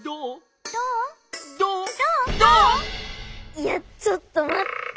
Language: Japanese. いやちょっとまって！